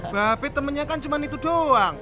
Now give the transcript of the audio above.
bape temennya kan cuma itu doang